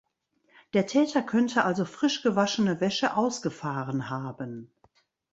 Der Täter könnte also frisch gewaschene Wäsche ausgefahren haben.